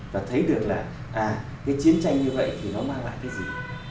và thấy được là cái chiến tranh như vậy thì nó mang lại cái gì